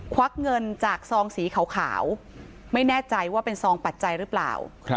วักเงินจากซองสีขาวไม่แน่ใจว่าเป็นซองปัจจัยหรือเปล่า